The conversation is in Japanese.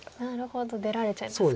出られちゃいますか。